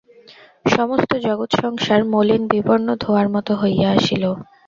সমস্ত জগৎসংসার মলিন বিবর্ণ ধোঁওয়ার মতো হইয়া আসিল।